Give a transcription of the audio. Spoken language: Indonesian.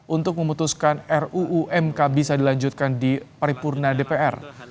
untuk memutuskan ruu mk bisa dilanjutkan di paripurna dpr